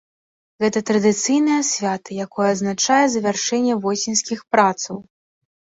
Гэта традыцыйнае свята, якое адзначае завяршэнне восеньскіх працаў.